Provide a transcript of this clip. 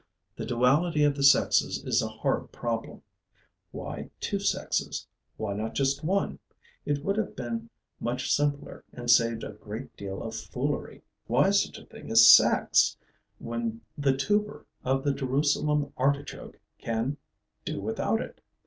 The duality of the sexes is a hard problem. Why two sexes? Why not just one? It would have been much simpler and saved a great deal of foolery. Why such a thing as sex, when the tuber of the Jerusalem artichoke can do without it?